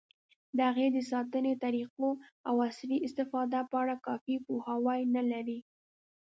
د هغې د ساتنې طریقو، او عصري استفادې په اړه کافي پوهاوی نه لري.